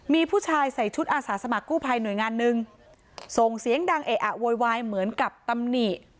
มีผู้ชายใส่ชุดอาสาสมัครกู้ภัยหน่วยงานหนึ่งส่งเสียงดังเอะอะโวยวายเหมือนกับตำหนิ